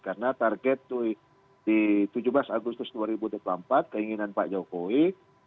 karena target di tujuh belas agustus dua ribu dua puluh empat keinginan pak jokowi